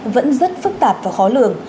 vẫn rất phức tạp và khó lường